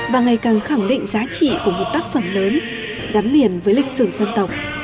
và ngày càng khẳng định giá trị của một tác phẩm lớn gắn liền với lịch sử dân tộc